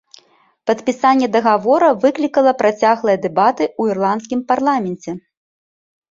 Падпісанне дагавора выклікала працяглыя дэбаты ў ірландскім парламенце.